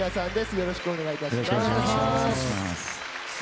よろしくお願いします。